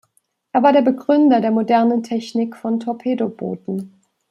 Er war der Begründer der modernen Technik von Torpedobooten.